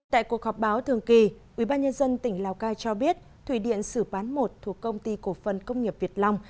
tại cuộc họp báo thường kỳ ubnd tỉnh lào cai cho biết thủy điện sử bán một thuộc công ty cổ phần công nghiệp việt long